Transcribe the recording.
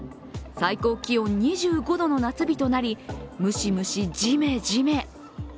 最高気温２５度の夏日となりムシムシ、ジメジメ。